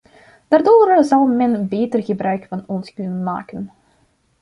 Daardoor zal men beter gebruik van ons kunnen maken.